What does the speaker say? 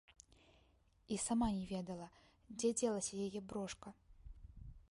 І сама не ведала, дзе дзелася яе брошка.